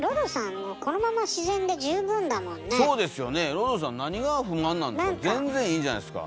ロドさん何が不満なんですか。